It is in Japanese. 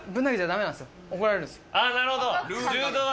あなるほど。